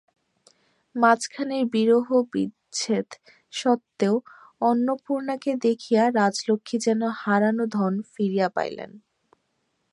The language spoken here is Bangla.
মাঝখানের বিরোধবিচ্ছেদ সত্ত্বেও অন্নপূর্ণাকে দেখিয়া রাজলক্ষ্মী যেন হারানো ধন ফিরিয়া পাইলেন।